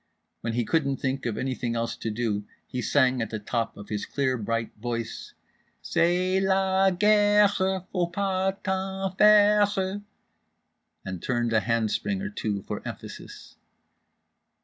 When he couldn't think of anything else to do he sang at the top of his clear bright voice: "C'est la guerre faut pas t'en faire" and turned a handspring or two for emphasis….